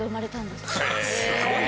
すごいな。